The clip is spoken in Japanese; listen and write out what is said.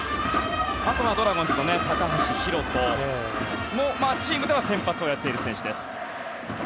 あとはドラゴンズの高橋宏斗もチームでは先発をやっている選手です。